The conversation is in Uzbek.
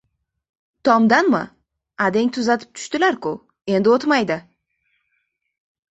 — Tomdanmi? Adang tuzatib tushdilar-ku. Endi o‘tmaydi.